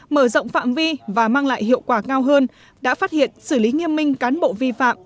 mở rộng phạm vi và mang lại hiệu quả cao hơn đã phát hiện xử lý nghiêm minh cán bộ vi phạm